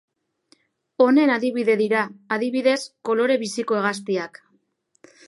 Honen adibide dira, adibidez, kolore biziko hegaztiak.